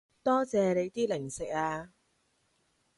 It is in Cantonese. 多謝你啲零食啊